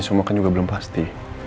semua kan juga belum pasti